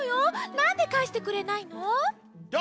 なんでかえしてくれないの？